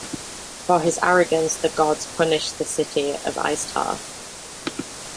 For his arrogance, the gods punished the city of Istar.